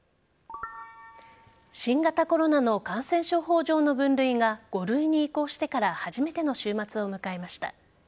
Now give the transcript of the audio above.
新型コロナの感染症法上の分類が５類に移行してから初めての週末を迎えました。